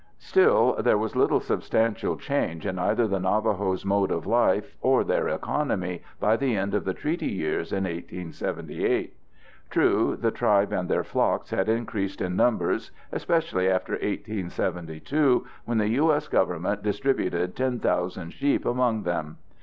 Still there was little substantial change in either the Navajo's mode of life or their economy by the end of the Treaty Years in 1878. True, the tribe and their flocks had increased in numbers especially after 1872, when the U.S. Government distributed 10,000 sheep among them.